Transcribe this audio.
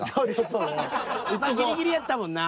ギリギリやったもんな。